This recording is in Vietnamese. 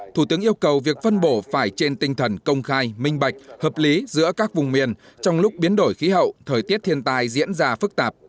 thủ tướng yêu cầu việc phân bổ phải trên tinh thần công khai minh bạch hợp lý giữa các vùng miền trong lúc biến đổi khí hậu thời tiết thiên tài diễn ra phức tạp